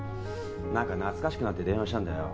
なんか懐かしくなって電話したんだよ。